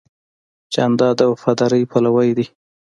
جانداد د وفادارۍ پلوی دی.